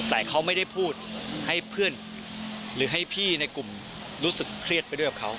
แต่เขาไม่ได้พูดให้เพื่อนหรือให้พี่ในกลุ่มรู้สึกเครียดไปด้วยกับเขา